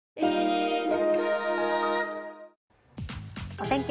お天気